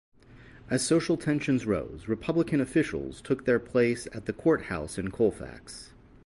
As social tensions rose, Republican officials took their places at the courthouse in Colfax.